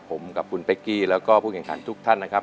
ผมกับคุณเป๊กกี้แล้วก็ผู้แข่งขันทุกท่านนะครับ